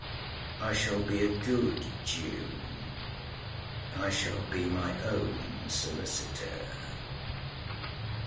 I shall be a good Jew. I shall be my own solicitor."